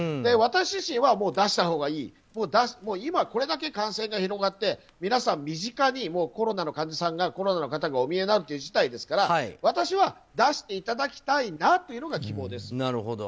私自身は出したほうがいい今、これだけ感染が広がって、皆さんの身近にコロナの患者の方がお見えになるという事態ですから私は出していただきたいなというのが希望です。